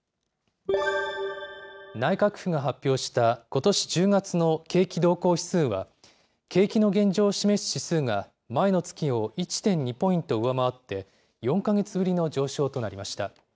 内閣府が発表した、ことし１０月の景気動向指数は、景気の現状を示す指数が、前の月を１．２ポイント上回って、４か月ぶりの上昇となりました。